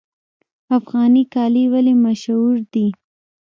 افغاني کالي ولې مشهور دي؟